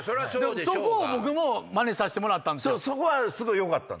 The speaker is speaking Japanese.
そこを僕もまねさしてもらったんですよ。